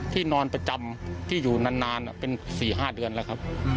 นอนประจำที่อยู่นานเป็น๔๕เดือนแล้วครับ